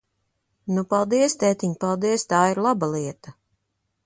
Nu, paldies, tētiņ, paldies! Tā ir laba lieta!